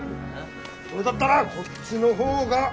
それだったらこっちの方が。